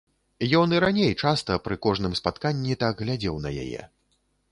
Ён і раней, часта, пры кожным спатканні так глядзеў на яе.